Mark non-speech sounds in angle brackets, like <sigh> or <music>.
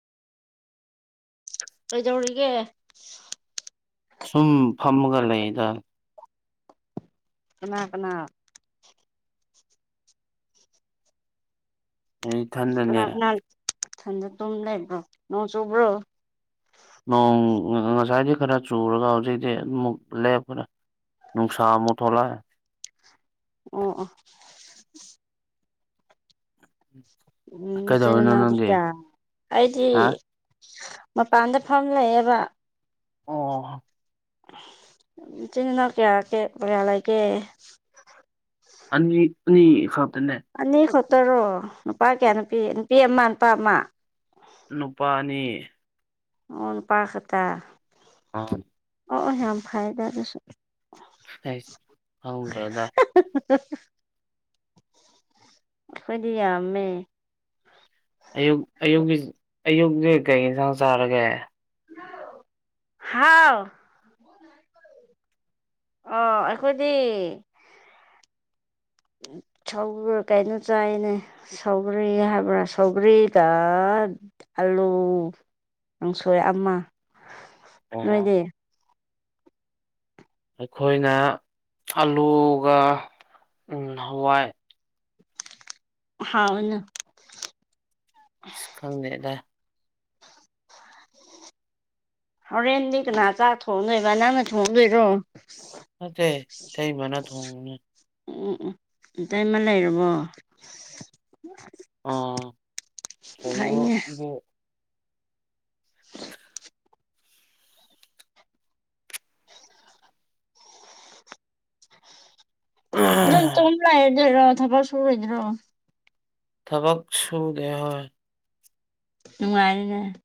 ꯔꯩꯖꯧꯒ꯫ ꯁꯨꯝ ꯐꯝꯃꯒ ꯂꯩꯗ꯫ ꯀꯅꯥ ꯀꯅꯥ꯫ ꯑꯩ ꯀꯅꯥ ꯏꯊꯟꯗꯅꯦ꯫ ꯀꯅꯥ ꯏꯊꯟꯗ ꯇꯨꯝ ꯂꯩꯕ꯭ꯔꯣ ꯅꯣꯡ ꯆꯨꯕ꯭ꯔꯣ꯫ ꯅꯣꯡ ꯉꯁꯥꯏꯗꯤ ꯈꯔ ꯆꯨꯔꯒ ꯍꯧꯖꯤꯛꯤ ꯑꯗꯨꯃꯨꯛ ꯂꯦꯞꯄꯔ꯫ ꯅꯨꯡꯁꯥ ꯃꯣꯊꯣꯂ꯫ ꯑꯣ꯫ ꯀꯩꯗꯧꯔꯤꯅꯣ ꯎꯝꯅꯥꯎꯗꯨ ꯅꯪꯗꯤ ꯀ ꯑꯩꯗꯤ ꯍꯥ ꯃꯥ ꯄꯥꯗ ꯐꯥꯎꯥꯎꯂ ꯌꯥꯕ ꯑ ꯏꯆꯤꯟ ꯏꯅꯥꯎ ꯀꯌꯥ ꯀꯦ ꯀꯌꯥ ꯂꯩꯒꯦ ꯑ ꯑ ꯈ ꯑꯅꯤ ꯈꯣ ꯇꯔꯣ ꯅꯨꯄꯥ ꯀꯌꯥ ꯅꯨꯄꯤ ꯅꯨꯄꯤ ꯑꯃ ꯅꯨꯄꯥ ꯑꯃ ꯅꯨꯄꯥ <inaudible> ꯑꯣꯟ ꯄꯥꯈꯠꯇ ꯑꯥ ꯑꯣ ꯌꯥꯝ ꯐꯥꯏꯗ ꯑꯗꯨꯁꯨ ꯑꯩꯁ ꯈꯪꯗ꯭ꯔꯦꯗ ꯍ ꯑꯩꯈꯣꯏꯗꯤ ꯌꯥꯝꯃꯦ ꯑꯌꯨꯛ ꯑꯌꯨꯛꯀꯤ ꯑꯌꯨꯛꯁꯦ ꯀꯩ ꯌꯦꯟꯁꯥꯡ ꯆꯥꯔꯒꯦ ꯍꯥꯎ ꯑ ꯑꯩꯈꯣꯏꯗꯤ ꯁꯧꯒ ꯀꯩꯅꯣ ꯆꯥꯏꯅꯦ ꯁꯧꯒ꯭ꯔꯤ ꯍꯥꯏꯕ꯭ꯔꯥ ꯁꯧꯒ꯭ꯔꯤꯗ ꯑꯂꯨ ꯀꯥꯡꯪꯁꯣꯏ ꯑꯃ ꯑꯣ ꯅꯣꯏꯗꯤ ꯑꯩꯈꯣꯏꯅ ꯑꯜꯂꯨꯒ ꯍꯋꯥꯏ ꯍꯥꯎꯅ ꯁꯨꯈꯪꯅꯦꯗ ꯍꯣꯔꯦꯟꯗꯤ ꯀꯅꯥ ꯆꯥ ꯊꯣꯡꯗꯣꯏꯕ ꯅꯪꯅ ꯊꯣꯡꯗꯣꯏꯔꯣ꯫ ꯅꯠꯇꯦ ꯏꯇꯩ ꯃꯅꯥ ꯊꯣꯡꯕꯅꯦ ꯎꯝ ꯎ ꯎꯝ ꯏꯇꯩꯃ ꯂꯩꯔꯕꯣ꯫ ꯑꯣ ꯐꯩꯅꯦ <unintelligible> ꯑꯗꯨꯝ ꯇꯨꯝ ꯂꯩꯔꯗꯣꯏꯔꯣ ꯁꯨꯔꯣꯏꯗ꯭ꯔꯣ ꯊꯕꯛ ꯁꯨꯗꯌꯥ ꯍꯥꯏ ꯅꯨꯡꯉꯥꯏꯅꯦ